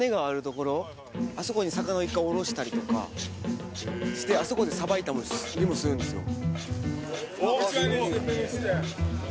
あそこに魚を１回卸したりとかしてあそこでさばいたりもするんですよ。